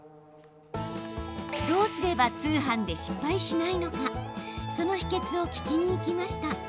どうすれば通販で失敗しないのかその秘けつを聞きに行きました。